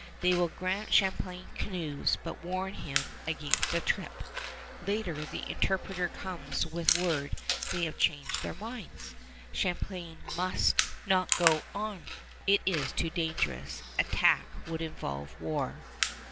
They will grant Champlain canoes, but warn him against the trip. Later the interpreter comes with word they have changed their minds. Champlain must not go on. It is too dangerous. Attack would involve war.